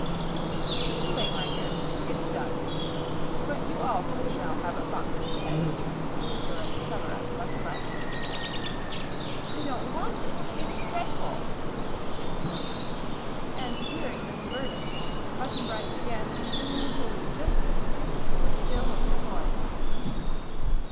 "Too late, my dear; it's done. But you also shall have a fox's head if you can prove you're as clever as Button Bright." "I don't want it; it's dreadful!" she exclaimed; and, hearing this verdict, Button Bright began to boo hoo just as if he were still a little boy.